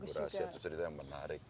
rahasia itu cerita yang menarik